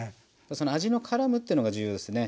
味のからむっていうのが重要ですね。